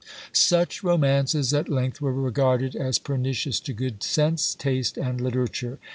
Such romances at length were regarded as pernicious to good sense, taste, and literature.